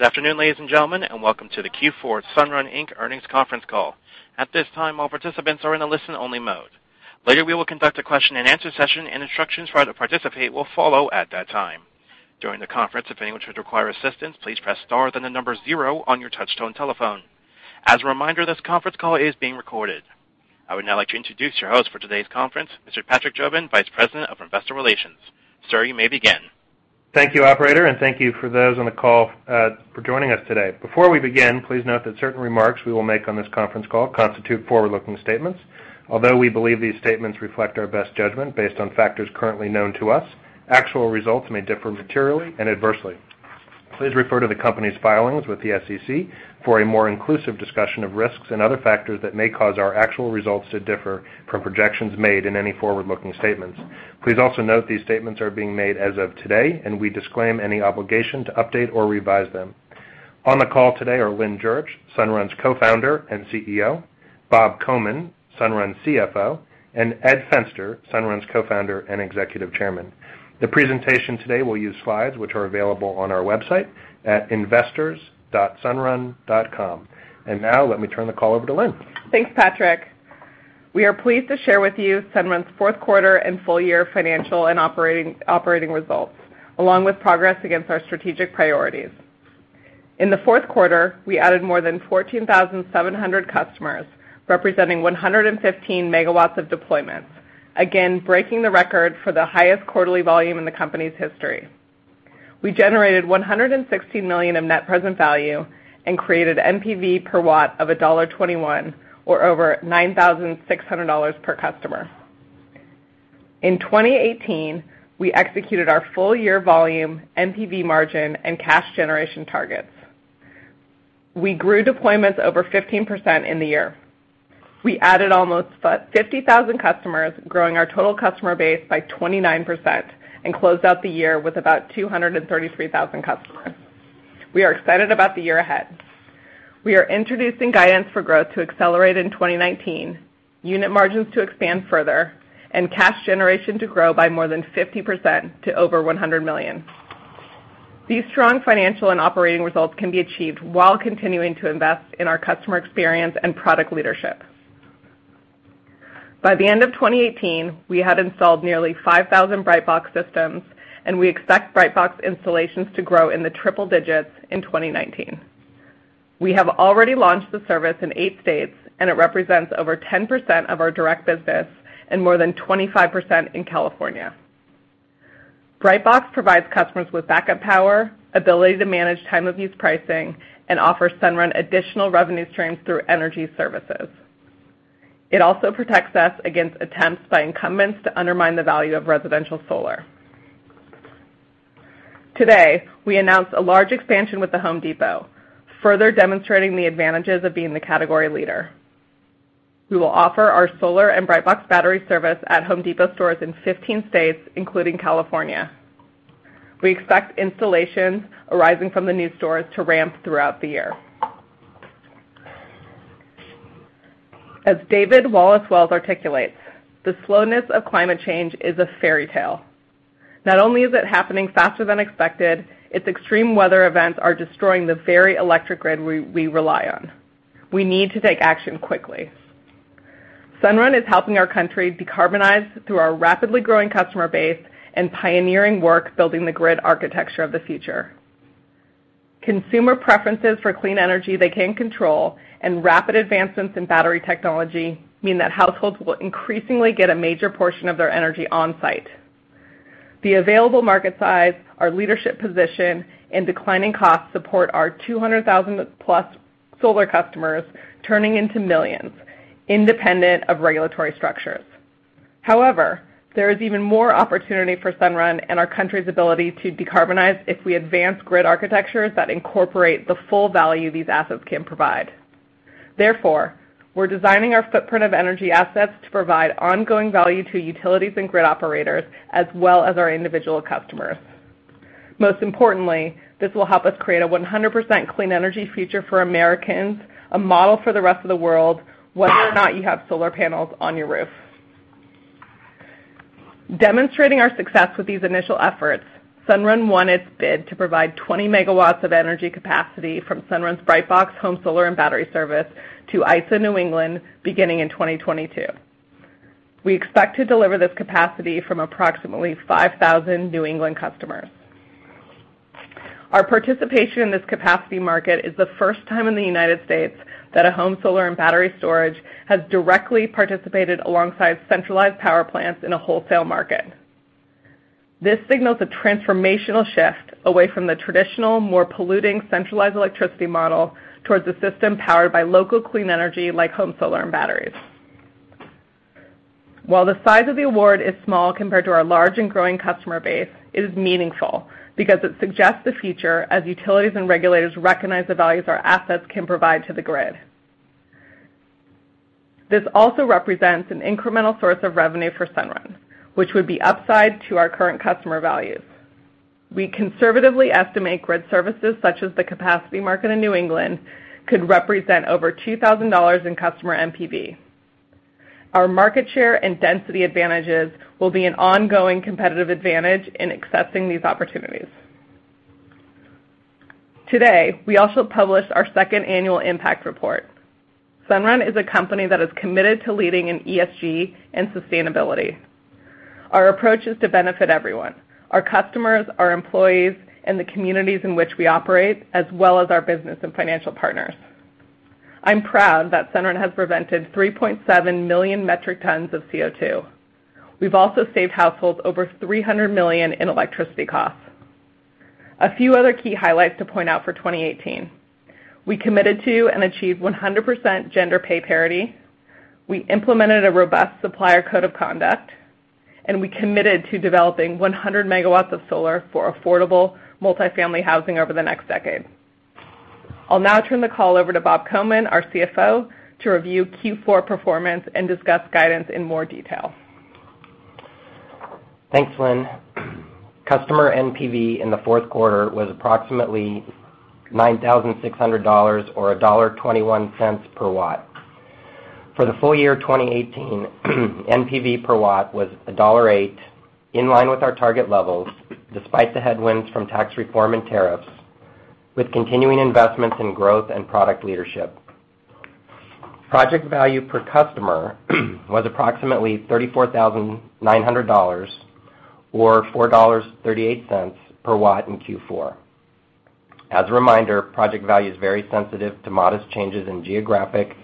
Good afternoon, ladies and gentlemen, and welcome to the Q4 Sunrun Inc. earnings conference call. At this time, all participants are in a listen-only mode. Later, we will conduct a question-and-answer session, and instructions for how to participate will follow at that time. During the conference, if anyone should require assistance, please press star then the number zero on your touch-tone telephone. As a reminder, this conference call is being recorded. I would now like to introduce your host for today's conference, Mr. Patrick Jobin, Vice President of Investor Relations. Sir, you may begin. Thank you, operator, and thank you for those on the call for joining us today. Before we begin, please note that certain remarks we will make on this conference call constitute forward-looking statements. Although we believe these statements reflect our best judgment based on factors currently known to us, actual results may differ materially and adversely. Please refer to the company's filings with the SEC for a more inclusive discussion of risks and other factors that may cause our actual results to differ from projections made in any forward-looking statements. Please also note these statements are being made as of today, and we disclaim any obligation to update or revise them. On the call today are Lynn Jurich, Sunrun's Co-Founder and CEO, Bob Komin, Sunrun's CFO, and Ed Fenster, Sunrun's Co-Founder and Executive Chairman. The presentation today will use slides which are available on our website at investors.sunrun.com. Now let me turn the call over to Lynn. Thanks, Patrick. We are pleased to share with you Sunrun's fourth quarter and full-year financial and operating results, along with progress against our strategic priorities. In the fourth quarter, we added more than 14,700 customers, representing 115 megawatts of deployments, again breaking the record for the highest quarterly volume in the company's history. We generated $160 million of Net Present Value and created NPV per watt of $1.21, or over $9,600 per customer. In 2018, we executed our full-year volume, NPV margin, and cash generation targets. We grew deployments over 15% in the year. We added almost 50,000 customers, growing our total customer base by 29%, and closed out the year with about 233,000 customers. We are excited about the year ahead. We are introducing guidance for growth to accelerate in 2019, unit margins to expand further, and cash generation to grow by more than 50% to over $100 million. These strong financial and operating results can be achieved while continuing to invest in our customer experience and product leadership. By the end of 2018, we had installed nearly 5,000 Brightbox systems, and we expect Brightbox installations to grow in the triple digits in 2019. We have already launched the service in eight states, and it represents over 10% of our direct business and more than 25% in California. Brightbox provides customers with backup power, ability to manage time-of-use pricing, and offers Sunrun additional revenue streams through energy services. It also protects us against attempts by incumbents to undermine the value of residential solar. Today, we announced a large expansion with The Home Depot, further demonstrating the advantages of being the category leader. We will offer our solar and Brightbox battery service at Home Depot stores in 15 states, including California. We expect installations arising from the new stores to ramp throughout the year. As David Wallace-Wells articulates, the slowness of climate change is a fairy tale. Not only is it happening faster than expected, its extreme weather events are destroying the very electric grid we rely on. We need to take action quickly. Sunrun is helping our country decarbonize through our rapidly growing customer base and pioneering work building the grid architecture of the future. Consumer preferences for clean energy they can control and rapid advancements in battery technology mean that households will increasingly get a major portion of their energy on-site. The available market size, our leadership position, and declining costs support our 200,000-plus solar customers turning into millions, independent of regulatory structures. However, there is even more opportunity for Sunrun and our country's ability to decarbonize if we advance grid architectures that incorporate the full value these assets can provide. Therefore, we're designing our footprint of energy assets to provide ongoing value to utilities and grid operators, as well as our individual customers. Most importantly, this will help us create a 100% clean energy future for Americans, a model for the rest of the world, whether or not you have solar panels on your roof. Demonstrating our success with these initial efforts, Sunrun won its bid to provide 20 megawatts of energy capacity from Sunrun's Brightbox home solar and battery service to ISO New England beginning in 2022. We expect to deliver this capacity from approximately 5,000 New England customers. Our participation in this capacity market is the first time in the U.S. that a home solar and battery storage has directly participated alongside centralized power plants in a wholesale market. This signals a transformational shift away from the traditional, more polluting centralized electricity model towards a system powered by local clean energy like home solar and batteries. While the size of the award is small compared to our large and growing customer base, it is meaningful because it suggests the future as utilities and regulators recognize the values our assets can provide to the grid. This also represents an incremental source of revenue for Sunrun, which would be upside to our current customer values. We conservatively estimate grid services such as the capacity market in New England could represent over $2,000 in customer NPV. Our market share and density advantages will be an ongoing competitive advantage in accessing these opportunities. Today, we also published our second annual impact report. Sunrun is a company that is committed to leading in ESG and sustainability. Our approach is to benefit everyone, our customers, our employees, and the communities in which we operate, as well as our business and financial partners. I'm proud that Sunrun has prevented 3.7 million metric tons of CO2. We've also saved households over $300 million in electricity costs. A few other key highlights to point out for 2018. We committed to and achieved 100% gender pay parity. We implemented a robust supplier code of conduct, and we committed to developing 100 megawatts of solar for affordable multi-family housing over the next decade. I'll now turn the call over to Bob Komin, our CFO, to review Q4 performance and discuss guidance in more detail. Thanks, Lynn. Customer NPV in the fourth quarter was approximately $9,600 or $1.21 per watt. For the full year 2018, NPV per watt was $1.08, in line with our target levels despite the headwinds from tax reform and tariffs, with continuing investments in growth and product leadership. Project value per customer was approximately $34,900, or $4.38 per watt in Q4. As a reminder, project value is very sensitive to modest changes in geographic,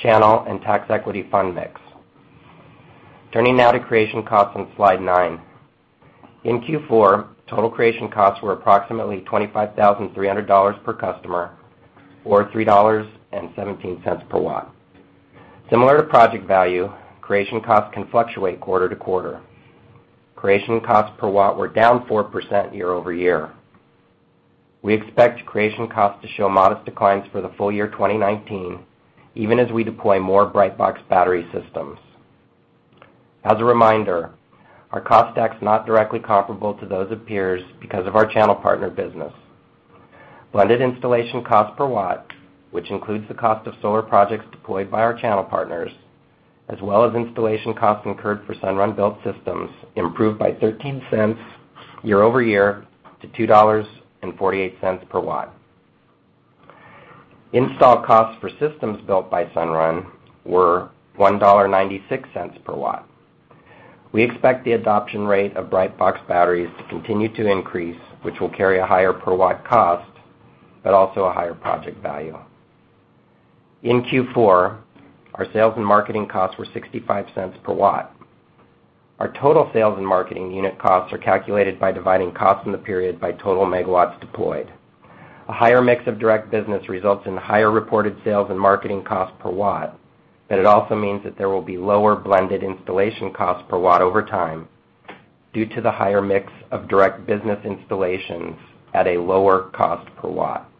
channel, and tax equity fund mix. Turning now to creation costs on slide nine. In Q4, total creation costs were approximately $25,300 per customer or $3.17 per watt. Similar to project value, creation costs can fluctuate quarter to quarter. Creation costs per watt were down 4% year-over-year. We expect creation costs to show modest declines for the full year 2019, even as we deploy more Brightbox battery systems. As a reminder, our cost stack is not directly comparable to those of peers because of our channel partner business. Blended installation cost per watt, which includes the cost of solar projects deployed by our channel partners, as well as installation costs incurred for Sunrun built systems, improved by $0.13 year-over-year to $2.48 per watt. Install costs for systems built by Sunrun were $1.96 per watt. We expect the adoption rate of Brightbox batteries to continue to increase, which will carry a higher per-watt cost, but also a higher project value. In Q4, our sales and marketing costs were $0.65 per watt. Our total sales and marketing unit costs are calculated by dividing costs in the period by total megawatts deployed. A higher mix of direct business results in higher reported sales and marketing cost per watt. It also means that there will be lower blended installation costs per watt over time due to the higher mix of direct business installations at a lower cost per watt.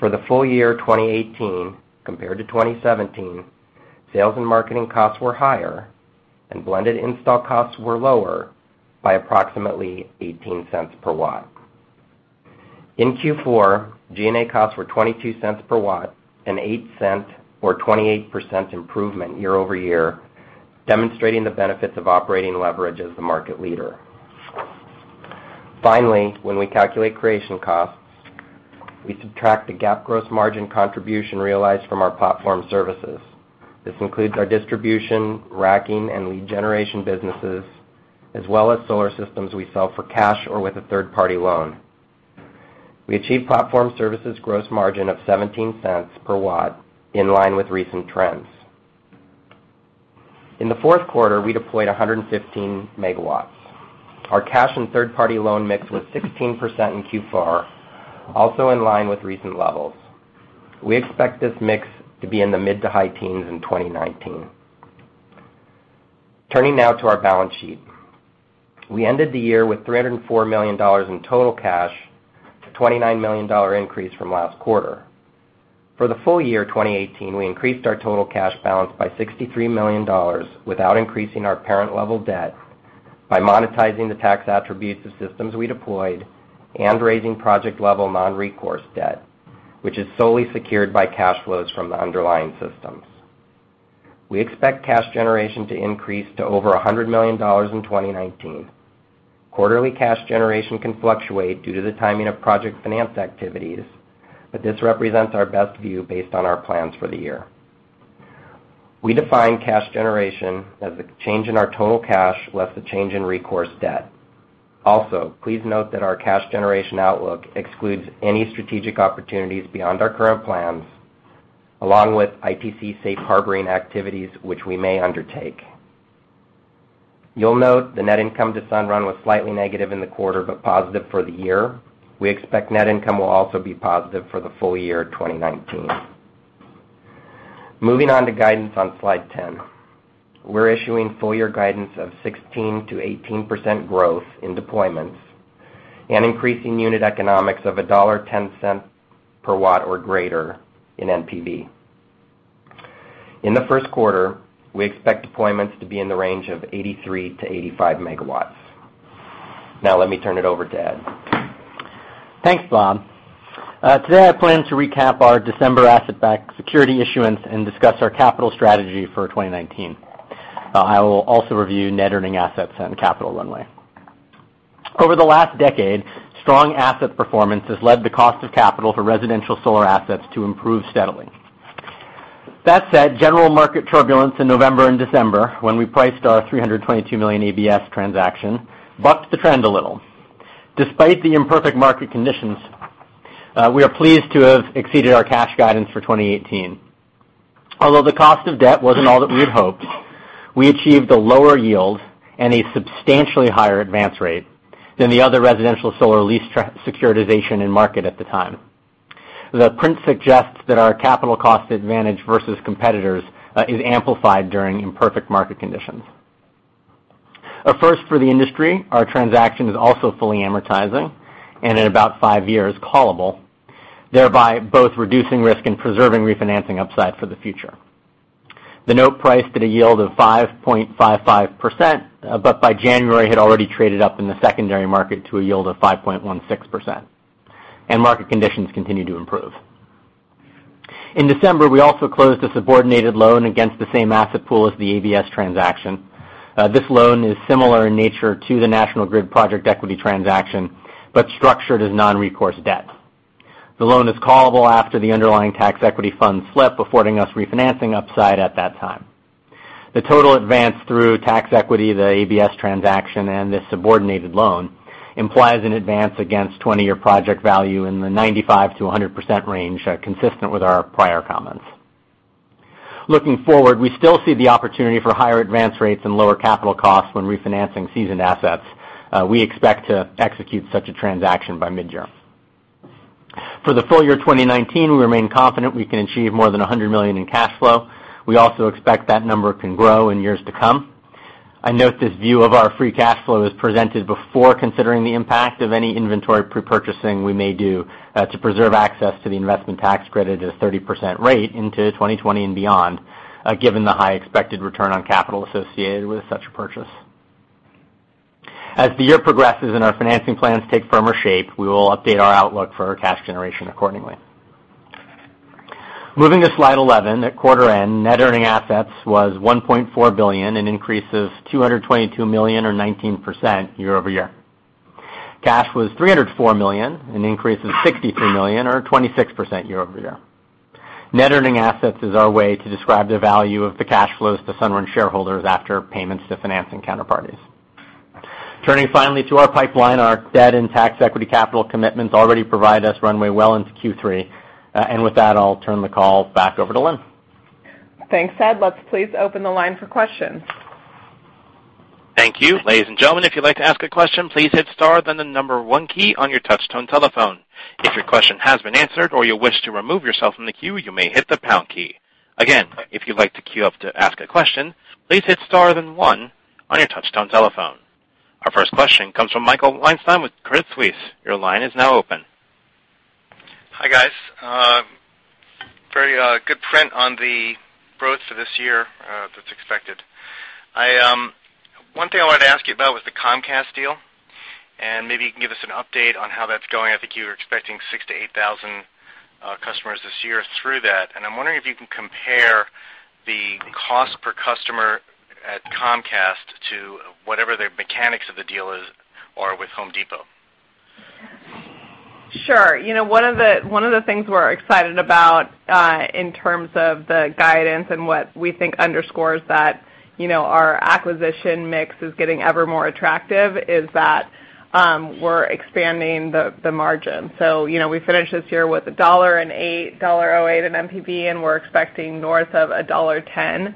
For the full year 2018 compared to 2017, sales and marketing costs were higher, and blended install costs were lower by approximately $0.18 per watt. In Q4, G&A costs were $0.22 per watt, an $0.08, or 28% improvement year-over-year, demonstrating the benefits of operating leverage as the market leader. Finally, when we calculate creation costs, we subtract the GAAP gross margin contribution realized from our platform services. This includes our distribution, racking, and lead generation businesses, as well as solar systems we sell for cash or with a third-party loan. We achieved platform services gross margin of $0.17 per watt in line with recent trends. In the fourth quarter, we deployed 115 megawatts. Our cash and third-party loan mix was 16% in Q4, also in line with recent levels. We expect this mix to be in the mid to high teens in 2019. Turning now to our balance sheet. We ended the year with $304 million in total cash, a $29 million increase from last quarter. For the full year 2018, we increased our total cash balance by $63 million without increasing our parent level debt by monetizing the tax attributes of systems we deployed and raising project level non-recourse debt, which is solely secured by cash flows from the underlying systems. We expect cash generation to increase to over $100 million in 2019. Quarterly cash generation can fluctuate due to the timing of project finance activities. This represents our best view based on our plans for the year. We define cash generation as the change in our total cash less the change in recourse debt. Also, please note that our cash generation outlook excludes any strategic opportunities beyond our current plans, along with ITC safe harboring activities, which we may undertake. You'll note the net income to Sunrun was slightly negative in the quarter, but positive for the year. We expect net income will also be positive for the full year 2019. Moving on to guidance on slide 10. We're issuing full year guidance of 16%-18% growth in deployments and increasing unit economics of $1.10 per watt or greater in NPV. In the first quarter, we expect deployments to be in the range of 83-85 megawatts. Let me turn it over to Ed. Thanks, Bob. Today I plan to recap our December asset-backed security issuance and discuss our capital strategy for 2019. I will also review Net Earning Assets and capital runway. Over the last decade, strong asset performance has led the cost of capital for residential solar assets to improve steadily. That said, general market turbulence in November and December, when we priced our $322 million ABS transaction, bucked the trend a little. Despite the imperfect market conditions, we are pleased to have exceeded our cash guidance for 2018. Although the cost of debt wasn't all that we'd hoped, we achieved a lower yield and a substantially higher advance rate than the other residential solar lease securitization in market at the time. The print suggests that our capital cost advantage versus competitors is amplified during imperfect market conditions. A first for the industry, our transaction is also fully amortizing and in about five years callable, thereby both reducing risk and preserving refinancing upside for the future. The note priced at a yield of 5.55%, but by January had already traded up in the secondary market to a yield of 5.16%, and market conditions continue to improve. In December, we also closed a subordinated loan against the same asset pool as the ABS transaction. This loan is similar in nature to the National Grid project equity transaction, but structured as non-recourse debt. The loan is callable after the underlying tax equity fund flip, affording us refinancing upside at that time. The total advance through tax equity, the ABS transaction, and this subordinated loan implies an advance against 20-year project value in the 95%-100% range, consistent with our prior comments. Looking forward, we still see the opportunity for higher advance rates and lower capital costs when refinancing seasoned assets. We expect to execute such a transaction by mid-year. For the full year 2019, we remain confident we can achieve more than $100 million in cash flow. We also expect that number can grow in years to come. I note this view of our free cash flow is presented before considering the impact of any inventory pre-purchasing we may do to preserve access to the Investment Tax Credit at a 30% rate into 2020 and beyond, given the high expected return on capital associated with such a purchase. As the year progresses and our financing plans take firmer shape, we will update our outlook for our cash generation accordingly. Moving to slide 11, at quarter end, Net Earning Assets was $1.4 billion, an increase of $222 million or 19% year-over-year. Cash was $304 million, an increase of $63 million, or 26% year-over-year. Net Earning Assets is our way to describe the value of the cash flows to Sunrun shareholders after payments to financing counterparties. Turning finally to our pipeline, our debt and tax equity capital commitments already provide us runway well into Q3. With that, I'll turn the call back over to Lynn. Thanks, Ed. Let's please open the line for questions. Thank you. Ladies and gentlemen, if you'd like to ask a question, please hit star then the 1 key on your touch-tone telephone. If your question has been answered or you wish to remove yourself from the queue, you may hit the pound key. Again, if you'd like to queue up to ask a question, please hit star then 1 on your touch-tone telephone. Our first question comes from Michael Weinstein with Credit Suisse. Your line is now open. Hi, guys. Very good print on the growth for this year that's expected. One thing I wanted to ask you about was the Comcast deal. Maybe you can give us an update on how that's going. I think you were expecting 6,000-8,000 customers this year through that. I'm wondering if you can compare the cost per customer at Comcast to whatever the mechanics of the deal are with Home Depot. Sure. One of the things we're excited about in terms of the guidance and what we think underscores that our acquisition mix is getting ever more attractive is that we're expanding the margin. We finish this year with $1.08 in NPV, and we're expecting north of $1.10 in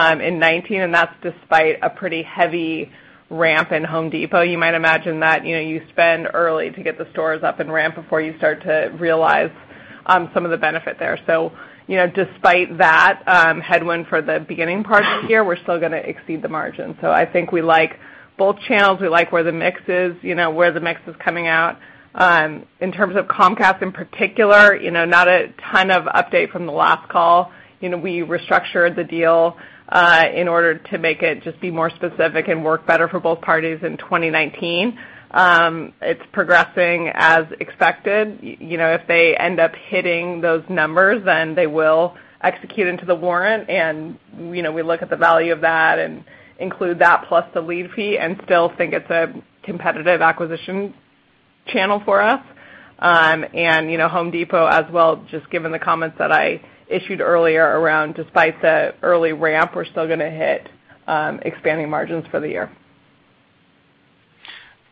2019. That's despite a pretty heavy ramp in Home Depot. You might imagine that you spend early to get the stores up and ramp before you start to realize some of the benefit there. Despite that headwind for the beginning part of the year, we're still going to exceed the margin. I think we like both channels. We like where the mix is coming out. In terms of Comcast in particular, not a ton of update from the last call. We restructured the deal in order to make it just be more specific and work better for both parties in 2019. It's progressing as expected. If they end up hitting those numbers, then they will execute into the warrant, and we look at the value of that and include that plus the lead fee and still think it's a competitive acquisition channel for us. Home Depot as well, just given the comments that I issued earlier around despite the early ramp, we're still going to hit expanding margins for the year.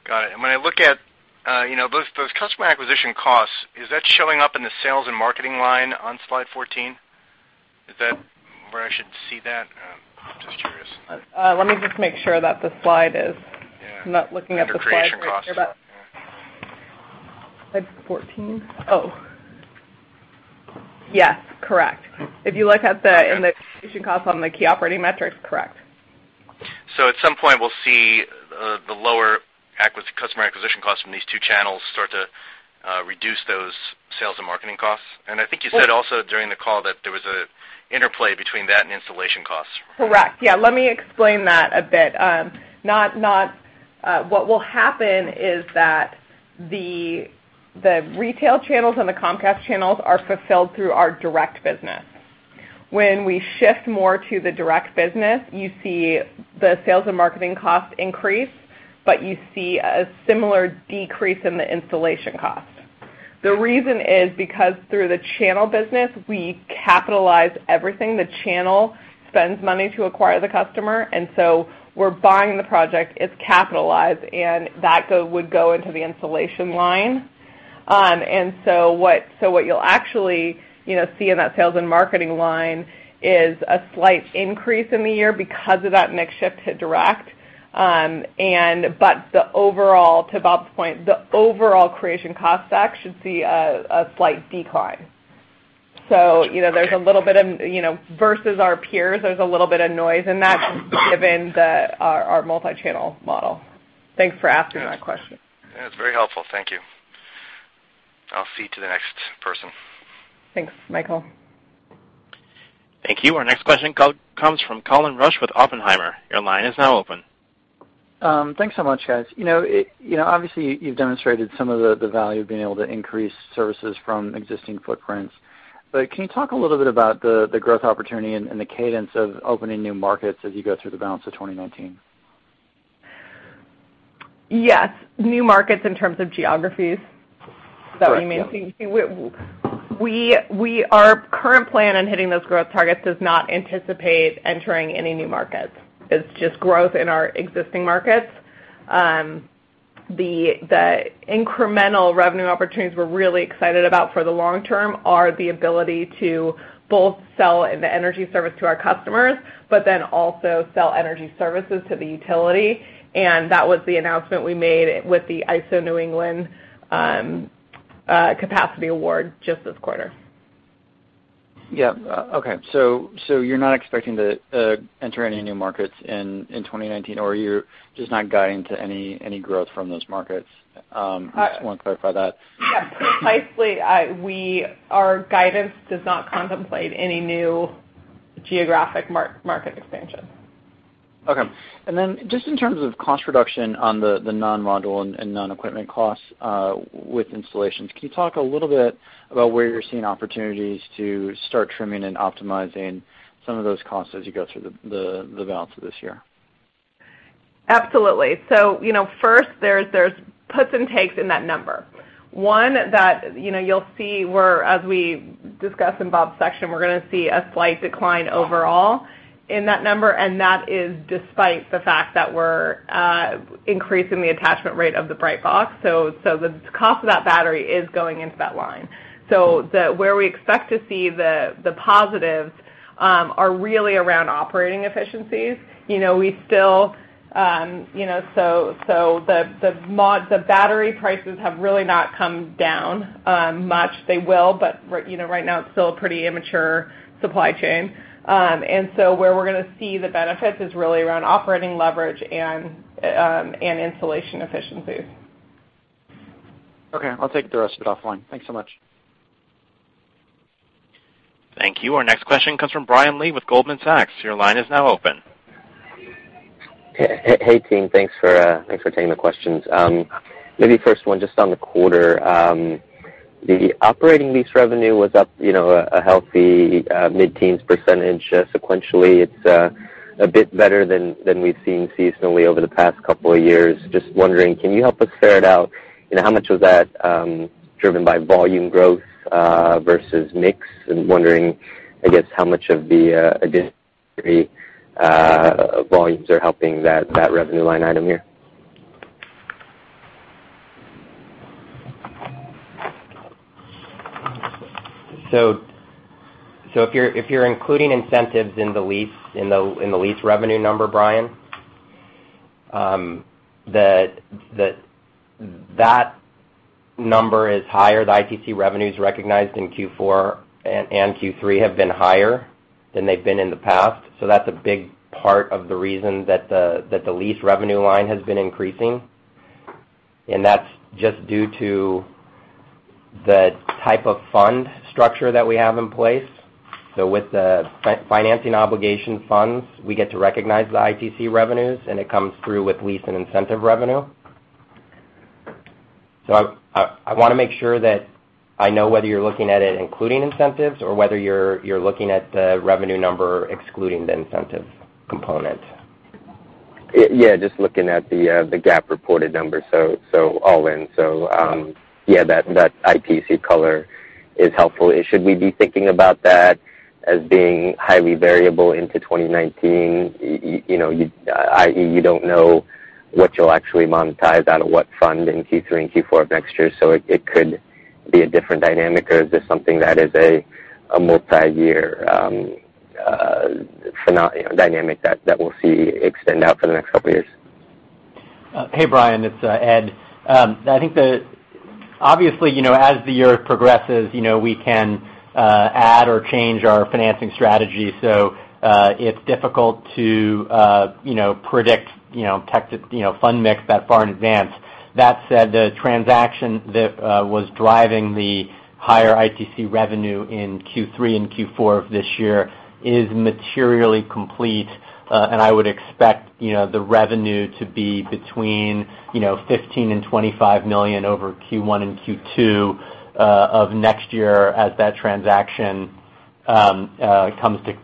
Got it. When I look at those customer acquisition costs, is that showing up in the sales and marketing line on slide 14? Is that where I should see that? I'm just curious. Let me just make sure that the slide is I'm not looking at the slides right here. Yeah. Under creation costs. Yeah slide 14. Oh. Yes, correct. If you look at the Okay acquisition costs on the key operating metrics, correct. At some point, we'll see the lower customer acquisition costs from these two channels start to reduce those sales and marketing costs? I think you said also during the call that there was an interplay between that and installation costs. Correct. Yeah, let me explain that a bit. What will happen is that the retail channels and the Comcast channels are fulfilled through our direct business. When we shift more to the direct business, you see the sales and marketing costs increase, but you see a similar decrease in the installation cost. The reason is because through the channel business, we capitalize everything. The channel spends money to acquire the customer, and so we're buying the project, it's capitalized, and that would go into the installation line. What you'll actually see in that sales and marketing line is a slight increase in the year because of that mix shift to direct. But to Bob's point, the overall creation cost stack should see a slight decline. Versus our peers, there's a little bit of noise in that given our multi-channel model. Thanks for asking that question. Yeah, it's very helpful. Thank you. I'll cede to the next person. Thanks, Michael. Thank you. Our next question comes from Colin Rusch with Oppenheimer. Your line is now open. Thanks so much, guys. Obviously, you've demonstrated some of the value of being able to increase services from existing footprints. Can you talk a little bit about the growth opportunity and the cadence of opening new markets as you go through the balance of 2019? Yes. New markets in terms of geographies? Is that what you mean? Correct. Yeah. Our current plan on hitting those growth targets does not anticipate entering any new markets. It's just growth in our existing markets. The incremental revenue opportunities we're really excited about for the long term are the ability to both sell the energy service to our customers, but then also sell energy services to the utility. That was the announcement we made with the ISO New England Capacity Award just this quarter. Yeah. Okay. You're not expecting to enter any new markets in 2019, or you're just not guiding to any growth from those markets? I just want to clarify that. Yeah. Precisely, our guidance does not contemplate any new geographic market expansion. Okay. Then just in terms of cost reduction on the non-module and non-equipment costs with installations, can you talk a little bit about where you're seeing opportunities to start trimming and optimizing some of those costs as you go through the balance of this year? Absolutely. First, there's puts and takes in that number. One, that you'll see where, as we discussed in Bob's section, we're going to see a slight decline overall in that number, and that is despite the fact that we're increasing the attachment rate of the Brightbox. The cost of that battery is going into that line. Where we expect to see the positives are really around operating efficiencies. The battery prices have really not come down much. They will, but right now it's still a pretty immature supply chain. Where we're going to see the benefits is really around operating leverage and installation efficiencies. Okay. I'll take the rest of it offline. Thanks so much. Thank you. Our next question comes from Brian Lee with Goldman Sachs. Your line is now open. Hey, team. Thanks for taking the questions. Maybe first one, just on the quarter. The operating lease revenue was up a healthy mid-teens % sequentially. It's a bit better than we've seen seasonally over the past couple of years. Just wondering, can you help us ferret out how much of that driven by volume growth versus mix, and wondering, I guess, how much of the additional volumes are helping that revenue line item here? If you're including incentives in the lease revenue number, Brian, that number is higher. The ITC revenues recognized in Q4 and Q3 have been higher than they've been in the past. That's a big part of the reason that the lease revenue line has been increasing, and that's just due to the type of fund structure that we have in place. With the financing obligation funds, we get to recognize the ITC revenues, and it comes through with lease and incentive revenue. I want to make sure that I know whether you're looking at it including incentives or whether you're looking at the revenue number excluding the incentive component. Yeah, just looking at the GAAP-reported numbers, so all in. Okay. Yeah, that ITC color is helpful. Should we be thinking about that as being highly variable into 2019, i.e. you don't know what you'll actually monetize out of what fund in Q3 and Q4 of next year, so it could be a different dynamic, or is this something that is a multi-year dynamic that we'll see extend out for the next couple years? Hey, Brian, it's Ed. I think that obviously, as the year progresses, we can add or change our financing strategy. It's difficult to predict fund mix that far in advance. That said, the transaction that was driving the higher ITC revenue in Q3 and Q4 of this year is materially complete. I would expect the revenue to be between $15 million and $25 million over Q1 and Q2 of next year as that transaction it comes to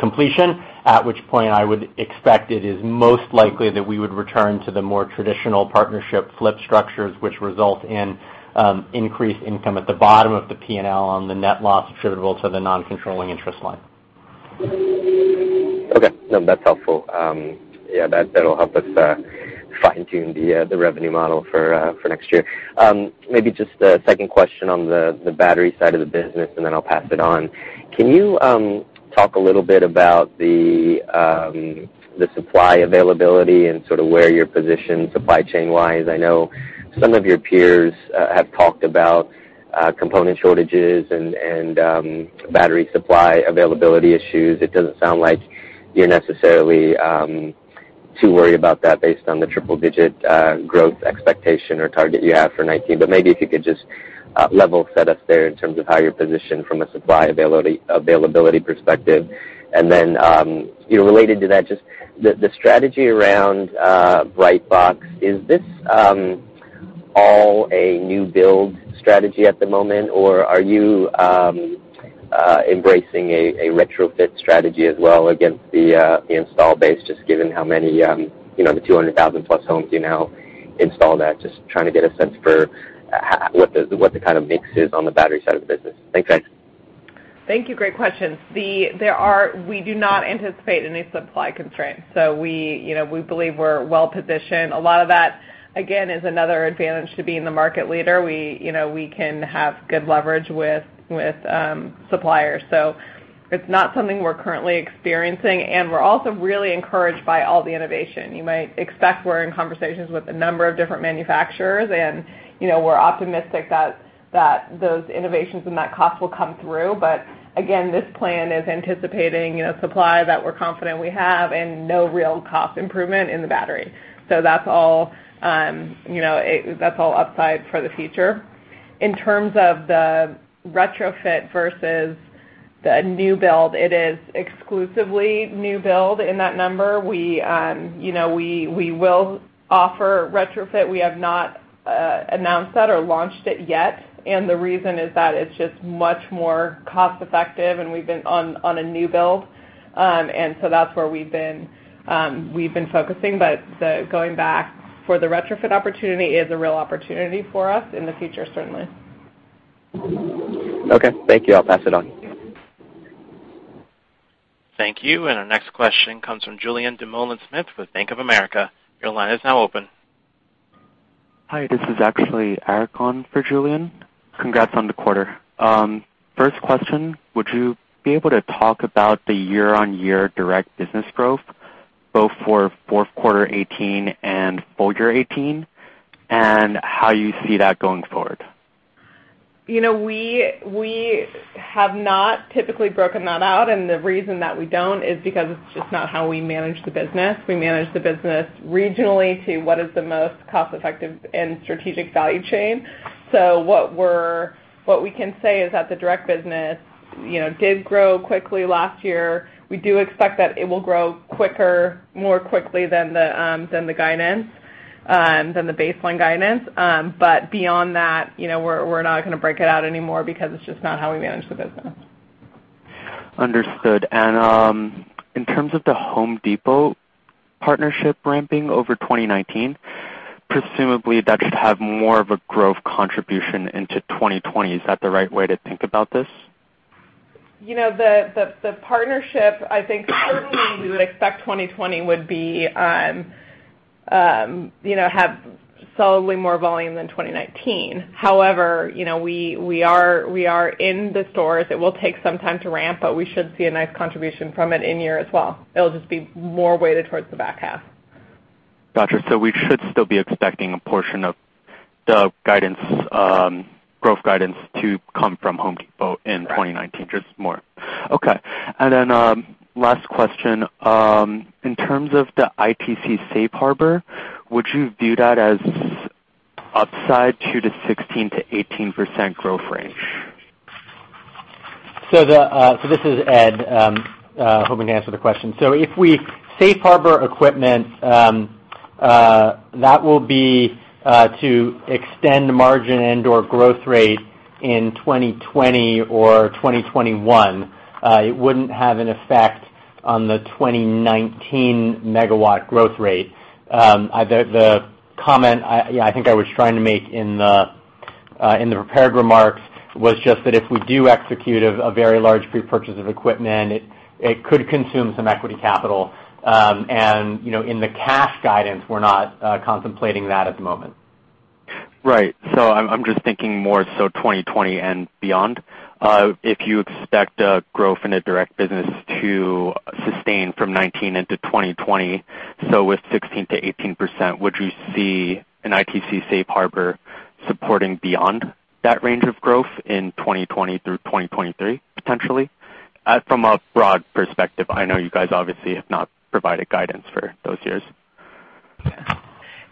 completion, at which point I would expect it is most likely that we would return to the more traditional partnership flip structures, which result in increased income at the bottom of the P&L on the net loss attributable to the non-controlling interest line. Okay. No, that's helpful. Yeah, that'll help us fine-tune the revenue model for next year. Maybe just a second question on the battery side of the business, and then I'll pass it on. Can you talk a little bit about the supply availability and sort of where you're positioned supply chain-wise? I know some of your peers have talked about component shortages and battery supply availability issues. It doesn't sound like you're necessarily too worried about that based on the triple-digit growth expectation or target you have for 2019, but maybe if you could just level set us there in terms of how you're positioned from a supply availability perspective. Then, related to that, just the strategy around Brightbox, is this all a new build strategy at the moment, or are you embracing a retrofit strategy as well against the install base, just given how many, the 200,000-plus homes you now install that? Just trying to get a sense for what the kind of mix is on the battery side of the business. Thanks, guys. Thank you. Great questions. We do not anticipate any supply constraints. We believe we're well-positioned. A lot of that, again, is another advantage to being the market leader. We can have good leverage with suppliers. It's not something we're currently experiencing, and we're also really encouraged by all the innovation. You might expect we're in conversations with a number of different manufacturers, and we're optimistic that those innovations and that cost will come through. Again, this plan is anticipating supply that we're confident we have and no real cost improvement in the battery. That's all upside for the future. In terms of the retrofit versus the new build, it is exclusively new build in that number. We will offer retrofit. We have not announced that or launched it yet, and the reason is that it's just much more cost-effective and we've been on a new build. That's where we've been focusing. Going back, for the retrofit opportunity is a real opportunity for us in the future certainly. Okay. Thank you. I'll pass it on. Thank you. Our next question comes from Julien Dumoulin-Smith with Bank of America. Your line is now open. Hi, this is actually Eric Gan for Julien. Congrats on the quarter. First question, would you be able to talk about the year-over-year direct business growth, both for fourth quarter 2018 and full year 2018, and how you see that going forward? We have not typically broken that out. The reason that we don't is because it's just not how we manage the business. We manage the business regionally to what is the most cost-effective and strategic value chain. What we can say is that the direct business did grow quickly last year. We do expect that it will grow more quickly than the baseline guidance. Beyond that, we're not going to break it out anymore because it's just not how we manage the business. Understood. In terms of The Home Depot partnership ramping over 2019, presumably that should have more of a growth contribution into 2020. Is that the right way to think about this? The partnership, I think certainly we would expect 2020 would have solidly more volume than 2019. However, we are in the stores. It will take some time to ramp, but we should see a nice contribution from it in-year as well. It'll just be more weighted towards the back half. Got you. We should still be expecting a portion of the growth guidance to come from Home Depot in 2019. Right Just more. Okay. Last question. In terms of the ITC safe harbor, would you view that as upside 16%-18% growth range? This is Ed, hoping to answer the question. If we safe harbor equipment, that will be to extend the margin and/or growth rate in 2020 or 2021. It wouldn't have an effect on the 2019 megawatt growth rate. The comment I think I was trying to make in the prepared remarks was just that if we do execute a very large pre-purchase of equipment, it could consume some equity capital. In the cash guidance, we're not contemplating that at the moment. Right. I'm just thinking more so 2020 and beyond. If you expect a growth in the direct business to sustain from 2019 into 2020, so with 16%-18%, would you see an ITC safe harbor supporting beyond that range of growth in 2020 through 2023 potentially? From a broad perspective. I know you guys obviously have not provided guidance for those years.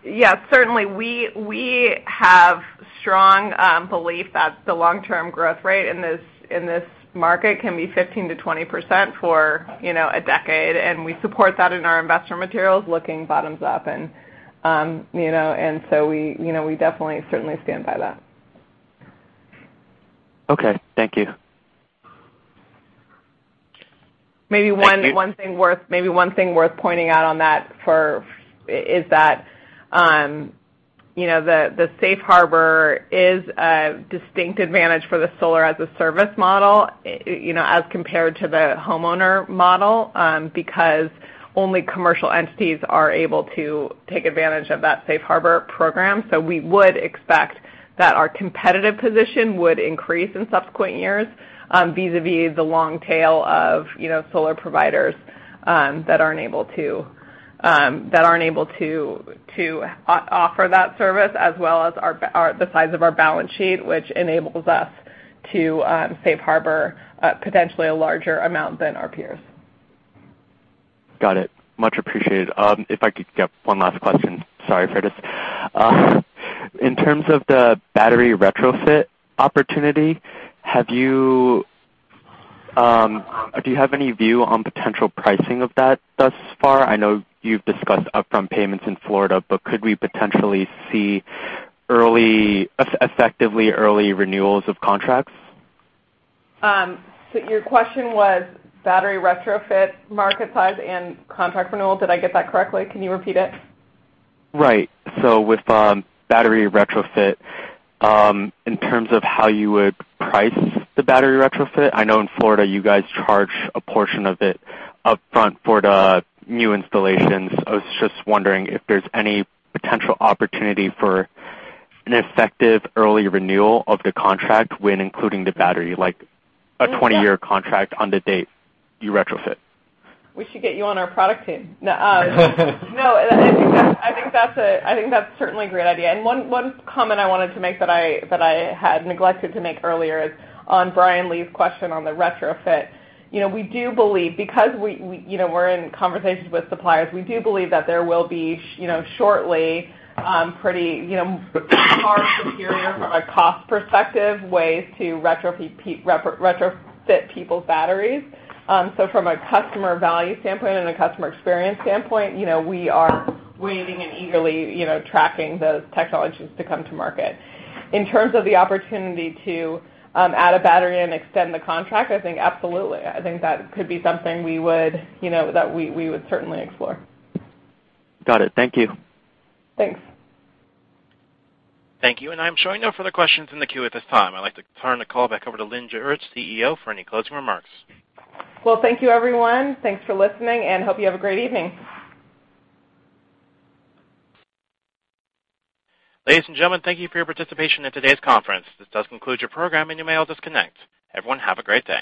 Yeah, certainly. We have strong belief that the long-term growth rate in this market can be 15%-20% for a decade, and we support that in our investor materials, looking bottoms-up, and so we definitely certainly stand by that. Okay. Thank you. Maybe one thing worth pointing out on that is that the safe harbor is a distinct advantage for the solar-as-a-service model as compared to the homeowner model, because only commercial entities are able to take advantage of that safe harbor program. We would expect that our competitive position would increase in subsequent years vis-a-vis the long tail of solar providers that aren't able to offer that service as well as the size of our balance sheet, which enables us to safe harbor potentially a larger amount than our peers. Got it. Much appreciated. If I could get one last question. Sorry for this. In terms of the battery retrofit opportunity, do you have any view on potential pricing of that thus far? I know you've discussed upfront payments in Florida, but could we potentially see effectively early renewals of contracts? Your question was battery retrofit market size and contract renewal. Did I get that correctly? Can you repeat it? Right. With battery retrofit, in terms of how you would price the battery retrofit, I know in Florida you guys charge a portion of it upfront for the new installations. I was just wondering if there's any potential opportunity for an effective early renewal of the contract when including the battery, like a 20-year contract on the date you retrofit. We should get you on our product team. No, I think that's certainly a great idea. One comment I wanted to make that I had neglected to make earlier is on Brian Lee's question on the retrofit. We do believe because we're in conversations with suppliers, we do believe that there will be shortly pretty far superior from a cost perspective, ways to retrofit people's batteries. From a customer value standpoint and a customer experience standpoint, we are waiting and eagerly tracking those technologies to come to market. In terms of the opportunity to add a battery and extend the contract, I think absolutely. I think that could be something that we would certainly explore. Got it. Thank you. Thanks. Thank you. I'm showing no further questions in the queue at this time. I'd like to turn the call back over to Lynn Jurich, CEO, for any closing remarks. Well, thank you everyone. Thanks for listening, and hope you have a great evening. Ladies and gentlemen, thank you for your participation in today's conference. This does conclude your program, and you may all disconnect. Everyone, have a great day.